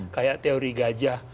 kayak teori gajah